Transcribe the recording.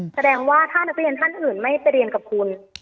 แสดงว่าถ้านักเรียนท่านอื่นไม่ไปเรียนกับคุณ